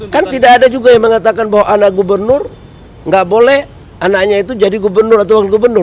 kan tidak ada juga yang mengatakan bahwa anak gubernur nggak boleh anaknya itu jadi gubernur atau wakil gubernur